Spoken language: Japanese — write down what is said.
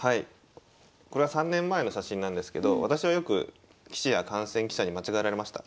これは３年前の写真なんですけど私はよく棋士や観戦記者に間違えられました。